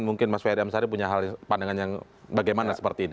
mungkin mas weryam sari punya pandangan yang bagaimana seperti ini